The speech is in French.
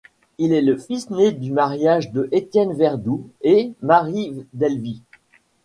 Il est le fils né du mariage de Etienne Verdou et Marie Delvit.